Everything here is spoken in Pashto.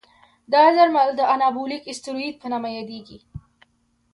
دا درمل د انابولیک استروئید په نامه یادېږي.